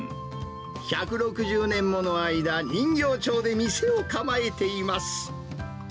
１６０年もの間、人形町で店を構えています。